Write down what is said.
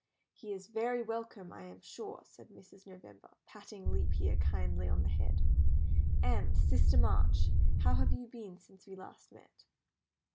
"He is very welcome, I am sure," said Mrs. November, patting Leap Year kindly on the head. "And, Sister March, how have you been since we last met?"